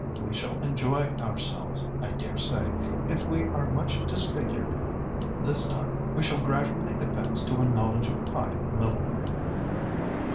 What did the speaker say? We shall enjoy ourselves, I dare say. If we are much disfigured this time, we shall gradually advance to a knowledge of high millinery."